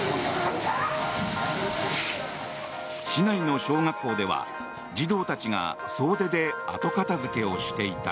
市内の小学校では児童たちが総出で後片付けをしていた。